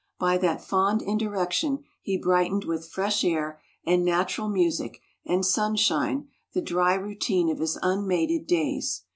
By that fond indirection he brightened with fresh air and natural music and sunshine the dry routine of his unmated days.